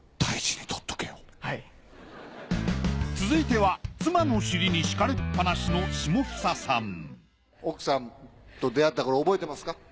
続いては妻の尻に敷かれっぱなしの下総さん奥さんと出会った頃覚えてますか？